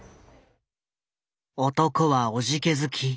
男はおじけづき